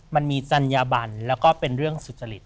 มันมีจัญญาบันแล้วก็เป็นเรื่องสุจริต